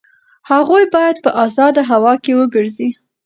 هغوی باید په ازاده هوا کې وګرځي.